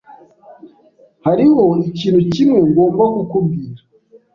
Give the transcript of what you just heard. Hariho ikintu kimwe ngomba kukubwira.